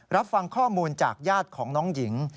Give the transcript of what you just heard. รับฟังข้อมูลจากญาติของน้องหญิง